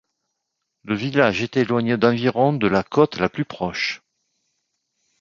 Le village est éloigné d'environ de la côte la plus proche.